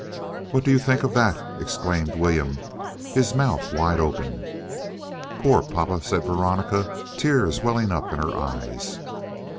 "What do you think of that?" exclaimed William, his mouth wide open. "Poor papa!" said Veronica, tears welling up in her eyes.